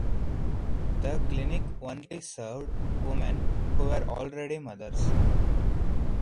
The clinic only served women who were already mothers.